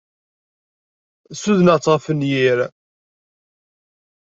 Ssudneɣ-tt ɣef wenyir.